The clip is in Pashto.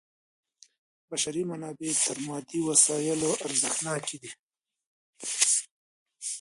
بشري منابع تر مادي وسایلو ارزښتناکي دي.